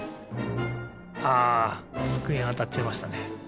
あつくえにあたっちゃいましたね。